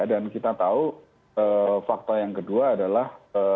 dan kita tahu fakta yang kedua adalah